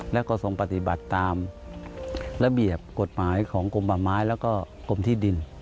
และก็ทรงปฏิบัติตามระเบียบกฎหมายของกรมป่าไม้แล้วก็กรมที่ดิน